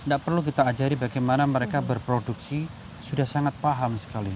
tidak perlu kita ajari bagaimana mereka berproduksi sudah sangat paham sekali